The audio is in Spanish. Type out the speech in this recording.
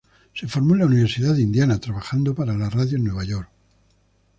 Se formó en la Universidad de Indiana, trabajando para la radio en Nueva York.